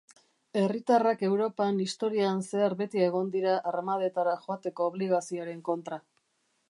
Herritarrak Europan historian zehar beti egon dira armadetara joateko obligazioaren kontra.